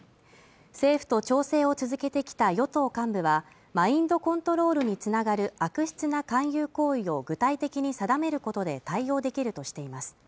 政府と調整を続けてきた与党幹部はマインドコントロールにつながる悪質な勧誘行為を具体的に定めることで対応できるとしています